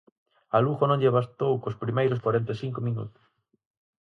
Ao Lugo non lle bastou cos primeiros corenta e cinco minutos.